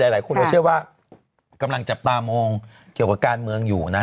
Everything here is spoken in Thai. หลายคนก็เชื่อว่ากำลังจับตามองเกี่ยวกับการเมืองอยู่นะ